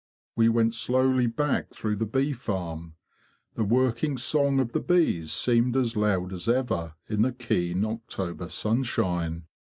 We went slowly back through the bee farm. The working song of the bees seemed as loud as ever in the keen October sunshine.